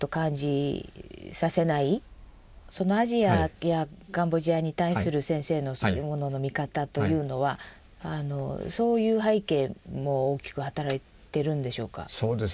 アジアやカンボジアに対する先生の物の見方というのはそういう背景も大きく働いてるんでしょうか？